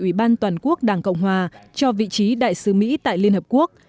ủy ban toàn quốc đảng cộng hòa cho vị trí đại sứ mỹ tại liên hợp quốc